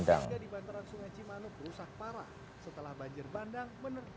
dan juga untuk korban banjir bandang